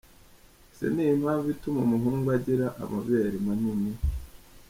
Ese ni iyihe mpamvu ituma umuhungu agira amabere manini?.